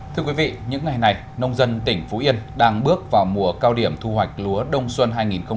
thưa quý vị những ngày này nông dân tỉnh phú yên đang bước vào mùa cao điểm thu hoạch lúa đông xuân hai nghìn một mươi hai nghìn hai mươi